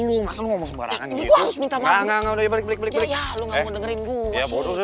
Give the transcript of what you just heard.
udah balik dah